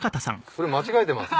それ間違ってます。